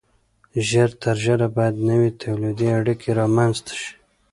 ژر تر ژره باید نوې تولیدي اړیکې رامنځته شي.